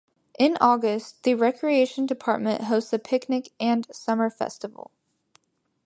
In August, the Recreation Department hosts a picnic and summer festival.